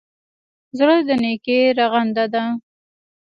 زړه د نېکۍ رغنده ده.